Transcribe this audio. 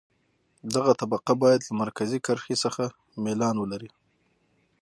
دغه طبقه باید له مرکزي کرښې څخه میلان ولري